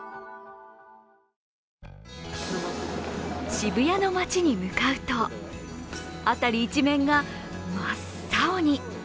渋谷の街に向かうと、辺り一面が真っ青に。